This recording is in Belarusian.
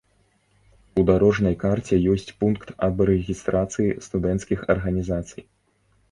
У дарожнай карце ёсць пункт аб рэгістрацыі студэнцкіх арганізацый.